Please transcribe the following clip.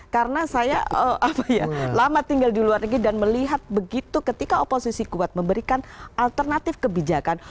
karena saya lama tinggal di luar negeri dan melihat begitu ketika oposisi kuat memberikan alternatif kebijakan